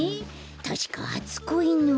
たしかはつこいの。